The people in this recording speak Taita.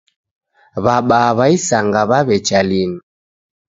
Wabaa wa isanga wawecha linu